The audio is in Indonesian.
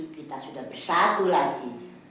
kita sudah bersatu lagi